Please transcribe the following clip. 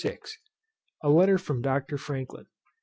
A Letter from Dr. FRANKLIN.